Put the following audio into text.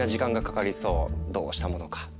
どうしたものか？